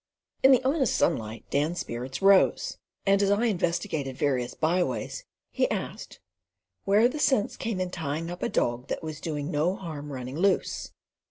In the honest sunlight Dan's spirits rose, and as I investigated various byways he asked "where the sense came in tying up a dog that was doing no harm running loose."